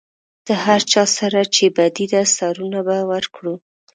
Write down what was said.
د هر چا سره چې بدي ده سرونه به ورکړو.